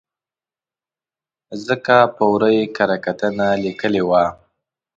ځکه په ور ه یې کره کتنه لیکلې وه.